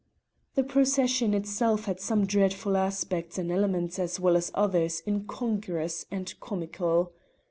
The procession itself had some dreadful aspects and elements as well as others incongruous and comical.